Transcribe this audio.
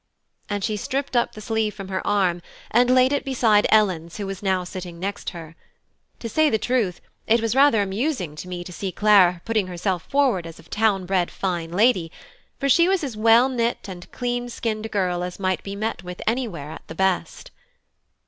And she stripped up the sleeve from her arm and laid it beside Ellen's who was now sitting next her. To say the truth, it was rather amusing to me to see Clara putting herself forward as a town bred fine lady, for she was as well knit and clean skinned a girl as might be met with anywhere at the best.